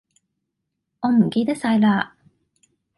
我唔記得晒啦